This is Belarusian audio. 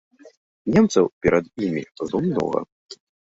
Немцаў перад імі было многа.